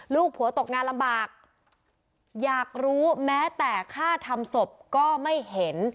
ลูกผัวตกงานลำบากอยากรู้แม้แต่ค่าทำศพก็ไม่เห็น